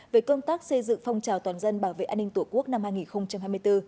về công tác xây dựng phong trào toàn dân bảo vệ an ninh tổ quốc năm hai nghìn hai mươi bốn